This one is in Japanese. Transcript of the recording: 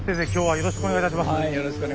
よろしくお願いします。